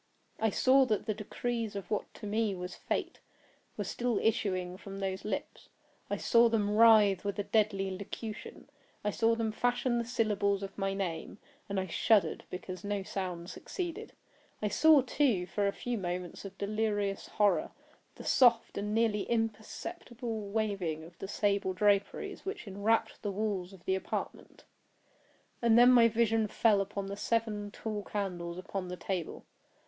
I saw that the decrees of what to me was Fate, were still issuing from those lips. I saw them writhe with a deadly locution. I saw them fashion the syllables of my name; and I shuddered because no sound succeeded. I saw, too, for a few moments of delirious horror, the soft and nearly imperceptible waving of the sable draperies which enwrapped the walls of the apartment. And then my vision fell upon the seven tall candles upon the table.